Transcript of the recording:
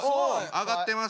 挙がってます。